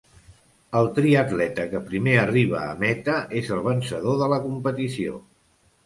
El triatleta que primer arriba a meta és el vencedor de la competició.